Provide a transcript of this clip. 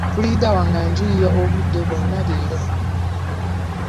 Puliida wange ajjulira obudde bwonna leero.